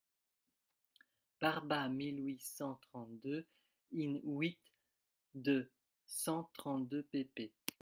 Barba, mille huit cent trente-deux, in-huit de cent trente-deux pp.